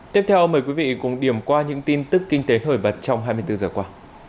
tiếp theo mời quý vị cũng điểm qua những tin tức kinh tế hồi vật trong hai mươi bốn h qua